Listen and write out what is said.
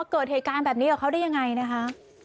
เกิดเหตุการณ์แบบนี้กับเขาได้ยังไงนะคะ